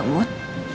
saya gak mau